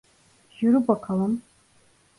Yürü bakalım.